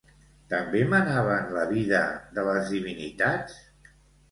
També manaven la vida de les divinitats?